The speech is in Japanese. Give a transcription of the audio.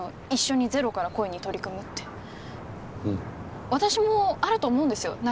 一緒にゼロから恋に取り組むってうん私もあると思うんですよ